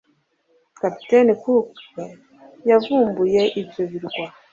Kapiteni Cook yavumbuye ibyo birwa